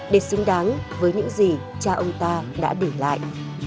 để xứng đáng với những gì cha ông ta đã để lại